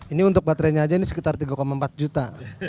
ini untuk baterainya aja ini sekitar tiga empat juta